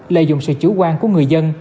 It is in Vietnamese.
lợi dụng sự chú quan của người dân